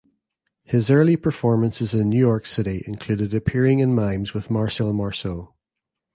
His early performances in New York City included appearing in mimes with Marcel Marceau.